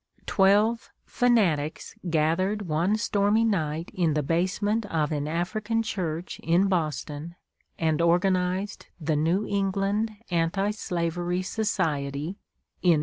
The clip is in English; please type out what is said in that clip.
Twelve "fanatics" gathered one stormy night in the basement of an African church in Boston, and organized the New England Anti Slavery Society in 1832.